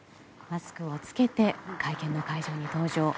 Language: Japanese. マスクをつけて会見の会場に登場。